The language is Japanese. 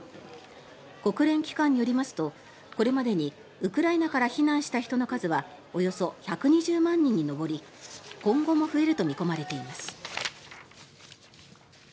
国連機関によりますとこれまでにウクライナから避難した人の数はおよそ１２０万人に上り今後も増えると見込まれています。